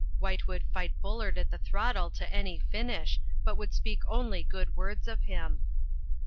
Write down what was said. White would fight Bullard at the throttle to any finish, but would speak only good words of him.